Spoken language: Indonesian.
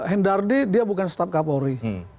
hendardi dia bukan staf kapolri